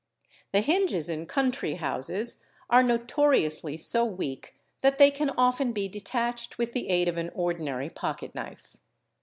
The hinges in country houses are notoriously so weak that they can often be detached with the aid of an ordinary pocket knife.